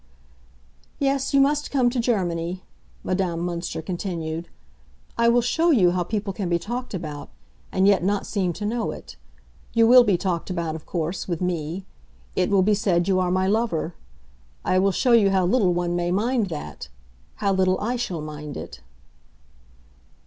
"Yes, you must come to Germany," Madame Münster continued. "I will show you how people can be talked about, and yet not seem to know it. You will be talked about, of course, with me; it will be said you are my lover. I will show you how little one may mind that—how little I shall mind it."